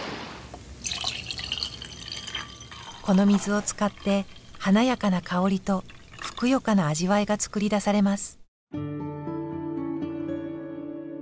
この水を使って華やかな香りとふくよかな味わいが作り出されます。